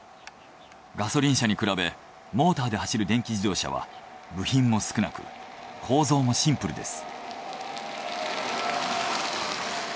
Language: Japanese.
ガソリン車に比べモーターで走る電気自動車は部品も少なく構造もシンプルです。